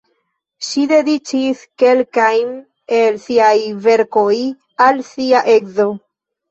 Ŝi dediĉis kelkajn el siaj verkoj al sia edzo.